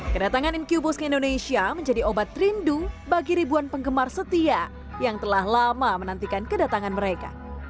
kedatangan incubus ke indonesia menjadi obat rindu bagi ribuan penggemar setia yang telah lama menantikan kedatangan mereka